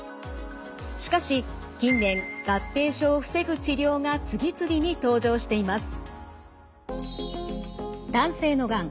しかし近年合併症を防ぐ治療が次々に登場しています。